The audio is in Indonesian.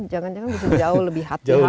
jangan jangan bisa jauh lebih hati